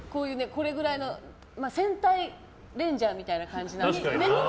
これぐらいの戦隊レンジャーみたいな感じの。